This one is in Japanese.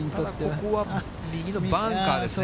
ここは右のバンカーですね。